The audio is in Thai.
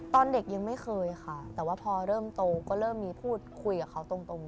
ตอนเด็กยังไม่เคยค่ะแต่ว่าพอเริ่มโตก็เริ่มมีพูดคุยกับเขาตรง